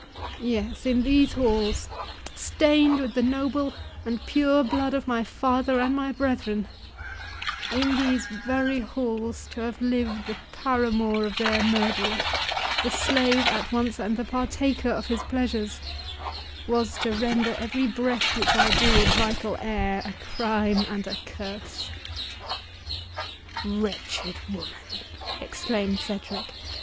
—Yes, in these halls, stained with the noble and pure blood of my father and my brethren—in these very halls, to have lived the paramour of their murderer, the slave at once and the partaker of his pleasures, was to render every breath which I drew of vital air, a crime and a curse." "Wretched woman!" exclaimed Cedric.